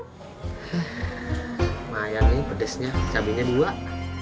hei mayan nih pedesnya cabainya buah